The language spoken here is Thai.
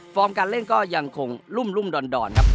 ฟอร์มการเล่นก็ยังคงรุ่มรุ่มดอนครับ